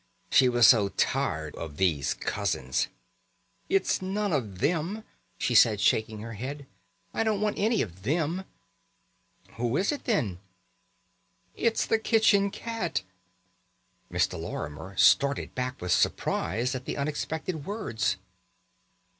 She was so tired of these cousins. "It's none of them," she said shaking her head. "I don't want any of them." "Who is it, then?" "It's the kitchen cat." Mr. Lorimer started back with surprise at the unexpected words.